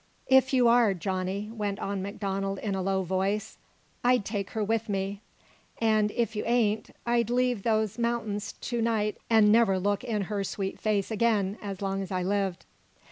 "If you are, Johnny," went on MacDonald in a low voice, "I'd take her with me. An' if you ain't, I'd leave these mount'ins to night an' never look in her sweet face again as long as I lived."